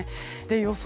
予想